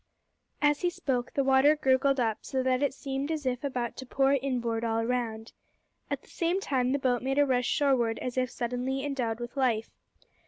As he spoke, the water gurgled up, so that it seemed as if about to pour inboard all round. At the same time the boat made a rush shoreward as if suddenly endowed with life.